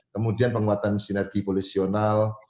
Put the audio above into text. kemudian penguatan sinergi polisional